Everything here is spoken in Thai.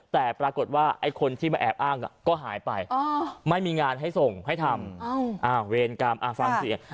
แต่ปรากฏว่าไอ้คนที่มาแอบอ้างก็หายไปไม่มีงานให้ส่งให้ทำเวรกรรมฟังเสียง